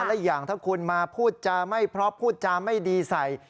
และอย่างถ้าคุณมาพูดจาไม่เพราะพูดจาไม่ดีใส่